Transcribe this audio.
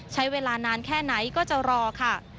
ใช้เวลานานแค่ไหนก็จะรอค่ะ